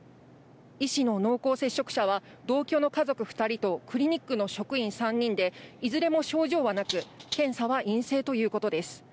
医師の濃厚接触者は同居の家族２人とクリニックの職員３人で、いずれも症状はなく、検査は陰性ということです。